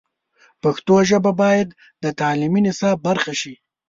پښتو ژبه باید د تعلیمي نصاب برخه شي.